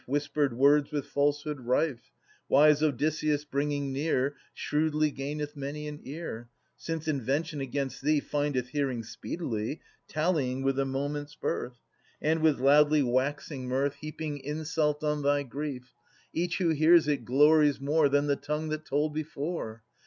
Whispered words with falsehood rife, Wise Odysseus bringing near Shrewdly gaineth many an ear : Since invention against thee Findeth hearing speedily. Tallying with the moment's birth ; And with loudly waxing mirth 152 175] Atas Heaping insult on thy grief, Each who hears it glories more Than the tongue that told before.